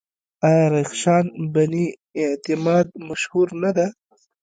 آیا رخشان بني اعتماد مشهوره نه ده؟